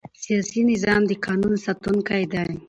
سیاسي نظام د قانون ساتونکی دی